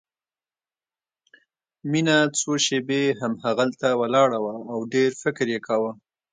مينه څو شېبې همهغلته ولاړه وه او ډېر فکر يې کاوه.